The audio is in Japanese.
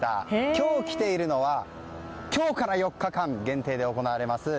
今日来ているのは今日から４日間限定で行われます